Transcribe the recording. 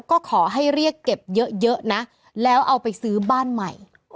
ก็ขอให้เรียกเก็บเยอะนะแล้วเอาไปซื้อบ้านใหม่